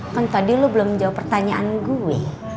kan tadi lo belum jawab pertanyaan gue